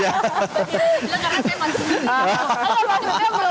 bila gak ada saya masih